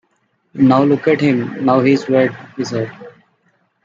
“Now look at him now he’s wet!” he said.